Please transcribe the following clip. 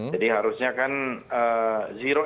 jadi harusnya kan zero